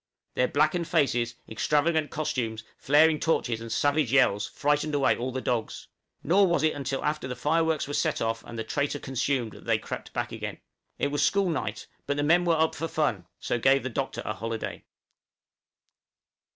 Their blackened faces, extravagant costumes, flaring torches, and savage yells frightened away all the dogs; nor was it until after the fireworks were set off and the traitor consumed that they crept back again. It was school night, but the men were up for fun, so gave the Doctor a holiday.